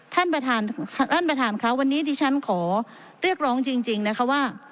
ท่านประธานค้าวันนี้ดิฉันขอเรียกร้องจริงนะคะว่า